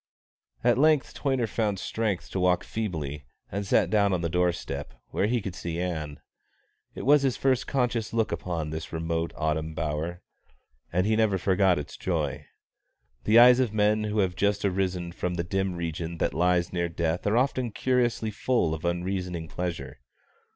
At length Toyner found strength to walk feebly, and sat down on the doorstep, where he could see Ann. It was his first conscious look upon this remote autumn bower, and he never forgot its joy. The eyes of men who have just arisen from the dim region that lies near death are often curiously full of unreasoning pleasure.